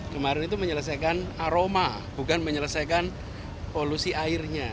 kemarin itu menyelesaikan aroma bukan menyelesaikan polusi airnya